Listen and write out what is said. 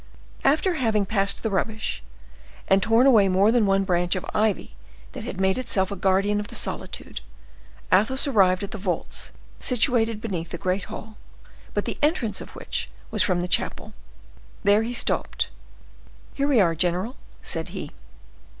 After having passed the rubbish, and torn away more than one branch of ivy that had made itself a guardian of the solitude, Athos arrived at the vaults situated beneath the great hall, but the entrance of which was from the chapel. There he stopped. "Here we are, general," said he.